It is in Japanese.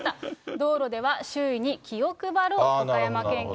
道路では周囲に気を配ろう、岡山県警。